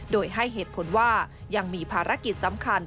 โดยให้เหตุผลว่ายังมีภารกิจสำคัญ